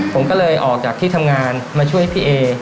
ผมก็เลยออกจากที่ทำงานมาช่วยพี่เอ